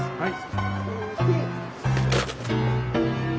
はい。